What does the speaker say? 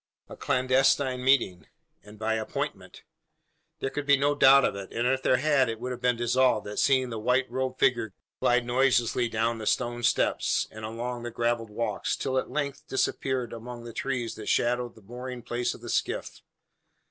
A clandestine meeting! And by appointment! There could be no doubt of it; and if there had, it would have been dissolved, at seeing the white robed figure glide noiselessly down the stone steps, and along the gravelled walks, till it at length disappeared among the trees that shadowed the mooring place of the skiff.